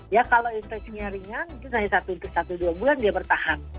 ya kalau infeksinya ringan mungkin hanya satu dua bulan dia bertahan